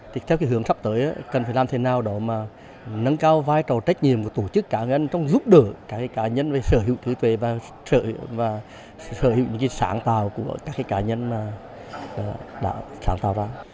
theo hướng sắp tới cần phải làm thế nào đó mà nâng cao vai trò trách nhiệm của tổ chức giúp đỡ các cá nhân sở hữu trí tuệ và sở hữu sáng tạo của các cá nhân sáng tạo ra